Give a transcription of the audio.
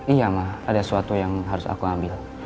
iya mah ada sesuatu yang harus aku ambil